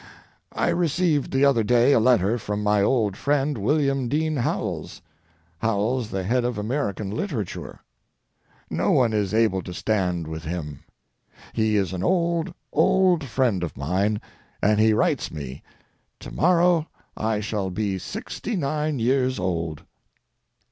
I received the other day a letter from my old friend, William Dean Howells—Howells, the head of American literature. No one is able to stand with him. He is an old, old friend of mine, and he writes me, "To morrow I shall be sixty nine years old."